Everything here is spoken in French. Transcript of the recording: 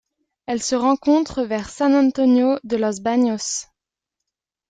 Elle se rencontre vers San Antonio de los Baños.